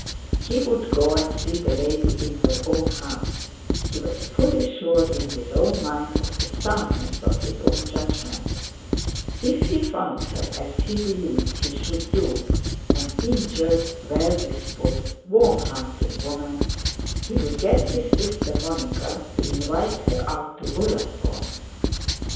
He would go and see the lady in her own house; he was fully sure in his own mind of the soundness of his own judgment; if he found her, as he believed he should do, an injured well disposed, warm hearted woman, he would get his sister Monica to invite her out to Ullathorne.